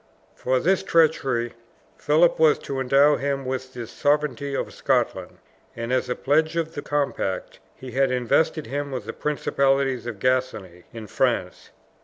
For this treachery, Philip was to endow him with the sovereignty of Scotland; and, as a pledge of the compact, he had invested him with the principality of Gascony in France.